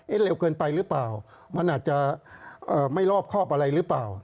เร็วเกินไปหรือเปล่ามันอาจจะไม่รอบครอบอะไรหรือเปล่า